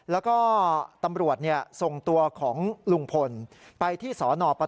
แล้วก็ตำรวจส่งตัวของลุงพลไปที่สนป